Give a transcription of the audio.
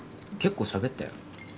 結構しゃべったよ。